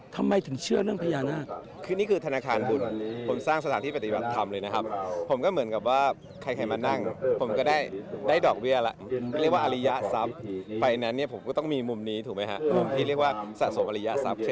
ทำไมถึงเชื่อเรื่องพญานาค